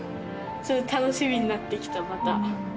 楽しみになってきたまた。